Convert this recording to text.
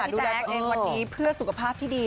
ดูแลตัวเองวันนี้เพื่อสุขภาพที่ดี